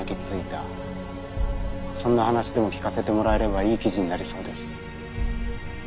そんな話でも聞かせてもらえればいい記事になりそうです。